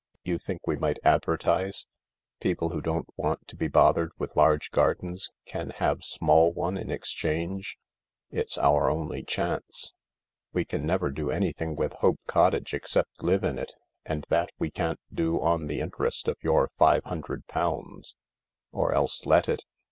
" You think we might advertise :' People who don't want to be bothered with large gardens can have small one in exchange '? It's our only chance. We can never do any thing with Hope Cottage except live in it— *nd that we can't do on the interest of your five hundred pounds— or else let it.